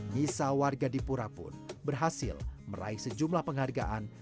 nisa warga dipura pun berhasil meraih sejumlah produk yang menarik